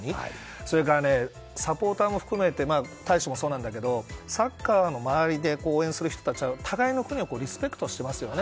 それからね、サポーターも含めて大使もそうだけどサッカーを応援する人たちは互いの国をリスペクトしていますよね。